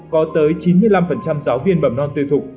có tới chín mươi năm giáo viên mầm non tư thục